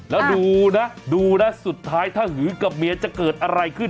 แล้วดูนะดูนะสุดท้ายถ้าหือกับเมียจะเกิดอะไรขึ้น